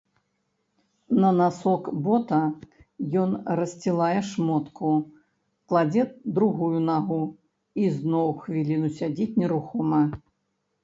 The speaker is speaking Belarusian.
На насок бота ён рассцілае шмотку, кладзе другую нагу і зноў хвіліну сядзіць нерухома.